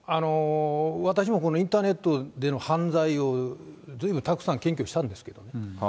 私もインターネットでの犯罪をずいぶんたくさん検挙したんですけどね。